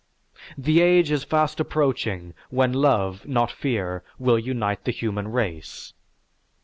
The age is fast approaching when love, not fear, will unite the human race.